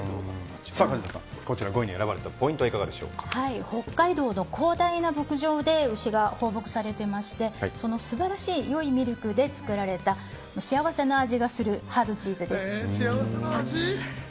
梶田さん、こちら５位に選ばれたポイントは北海道の広大な牧場で牛が放牧されていましてその素晴らしい良いミルクで作られたどういった特徴があるんですか。